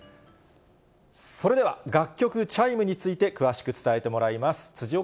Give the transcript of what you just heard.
それでは、楽曲チャイムについて詳しく伝えてもらいます。